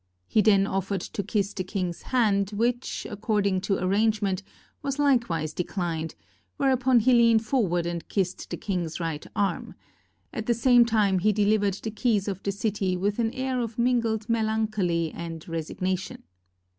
He then offered to kiss the king's hand, which, according to arrangement, was likewise declined, whereupon he leaned forward and kissed the king's right arm; at the same time he deliv ered the keys of the city with an air of mingled melan choly and resignation.